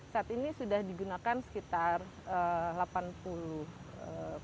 saat ini sudah digunakan sekitar satu enam ratus empat puluh lima triliun